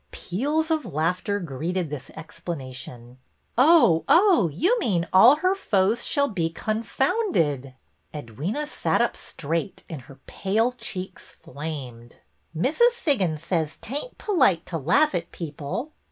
Peals of laughter greeted this explanation. ''Oh, oh! You mean 'All her foes shall be confounded !'" Edwyna sat up straight and her pale cheeks flamed. " Mrs. Siggins says 't ain't polite to laugh at people."